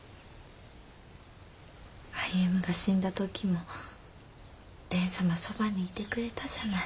歩が死んだ時も蓮様そばにいてくれたじゃない。